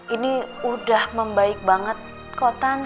ini udah membaik banget kok tante